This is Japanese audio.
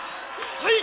はい！